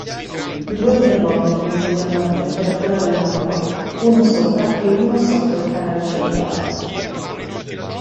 Due termometri misurano la temperatura dell'acqua, uno sopra e uno sotto il canale circolare.